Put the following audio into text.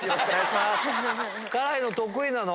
辛いの得意なの？